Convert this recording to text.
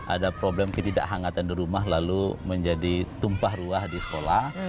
ada problem ketidakhangatan di rumah lalu menjadi tumpah ruah di sekolah